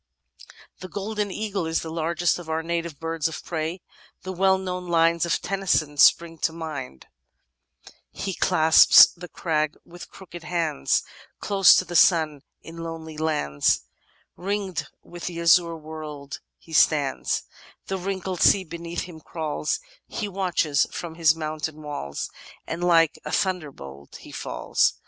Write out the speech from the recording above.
^ The Golden Eagle is the largest of our native birds of prey. The well known lines of Tennyson spring to the mind: *£. K. Robinson, T\9 Country Day by Day, 408 The Outline of Science He clasps the crag with crooked hands; Close to the sun in lonely lands, Ring'd with the azure world, he stands. The wrinkled sea beneath him crawls ; He watches from his mountain walls, ' And like a thunderbolt he falls.